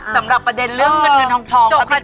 สำหรับประเด็นเรื่องเงินทองแต่ปัจจุดหนึ่งเลย